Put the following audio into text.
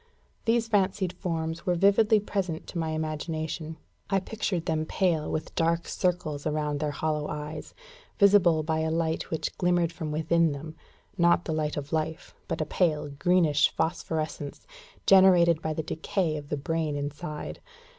These fancied forms were vividly present to my imagination. I pictured them pale, with dark circles around their hollow eyes, visible by a light which glimmered within them; not the light of life, but a pale, greenish phosphorescence, generated by the decay of the brain inside.